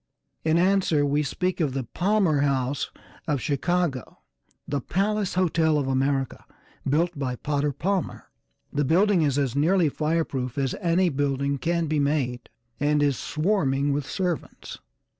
In answer, we speak of the Palmer House, of Chicago, the 'Palace Hotel of America,' built by Potter Palmer. The building is as nearly fire proof as any building can be made, and is swarming with servants.